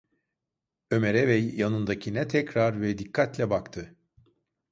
Ömer’e ve yanındakine tekrar ve dikkatle baktı.